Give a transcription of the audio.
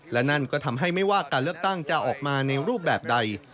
และนั่นก็ทำให้ไม่ว่าการเลือกตั้งจะออกมาในรูปแบบใด